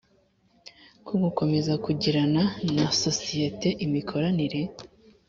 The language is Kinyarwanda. ko gukomeza kugirana na sosiyete imikoranire